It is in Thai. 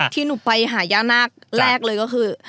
ที่หนูไปหาย่านาคแรกเลยก็คือ